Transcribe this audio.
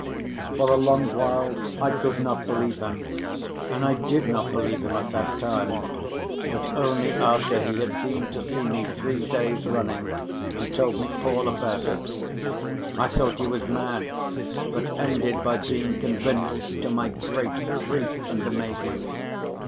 For a long while I could not believe him, and I did not believe him at that time, but only after he had been to see me three days running and told me all about it. I thought he was mad, but ended by being convinced, to my great grief and amazement.